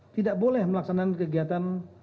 tidak boleh melaksanakan kegiatan